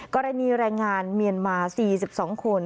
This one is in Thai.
กรณีแรงงานเมียนมา๔๒คน